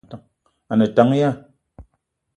A ne tank ya ?